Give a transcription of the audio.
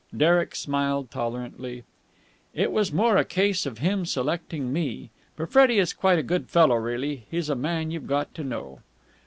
Derek smiled tolerantly. "It was more a case of him selecting me. But Freddie is quite a good fellow really. He's a man you've got to know."